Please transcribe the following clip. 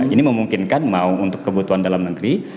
ini memungkinkan mau untuk kebutuhan dalam negeri